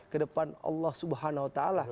kedepan allah swt